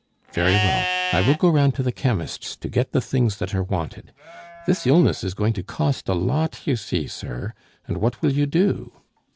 "Very well; I will go round to the chemist's to get the things that are wanted; this illness is going to cost a lot, you see, sir, and what will you do?"